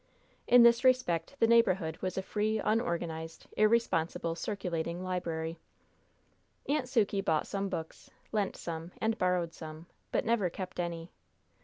In this respect the neighborhood was a free, unorganized, irresponsible circulating library. Aunt Sukey bought some books, lent some, and borrowed some, but never kept any.